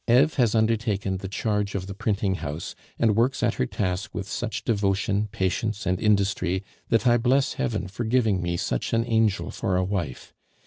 Eve has undertaken the charge of the printing house, and works at her task with such devotion, patience, and industry, that I bless heaven for giving me such an angel for a wife.